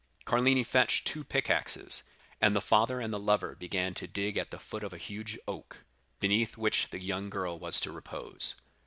Carlini fetched two pickaxes; and the father and the lover began to dig at the foot of a huge oak, beneath which the young girl was to repose.